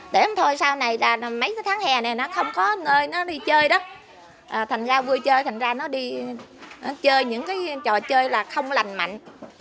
để không thôi sau này mấy tháng hè này nó không có nơi nó đi chơi đó thành ra vui chơi thành ra nó đi chơi những trò chơi là không lành mạnh